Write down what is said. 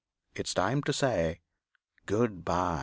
It is time to say "Good by."